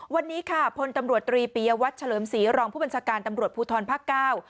วันนี้ค่ะพลตำรวจตรีปียวัตรเฉลิมศรีรองผู้บัญชาการตำรวจภูทรภาคเก้า